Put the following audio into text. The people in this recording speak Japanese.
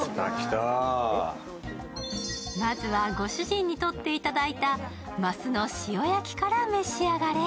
まずはご主人にとっていただいたマスの塩焼きから召し上がれ。